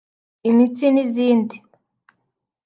imitsi n’izindi